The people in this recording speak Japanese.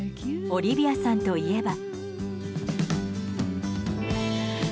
オリビアさんといえば。